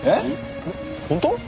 本当？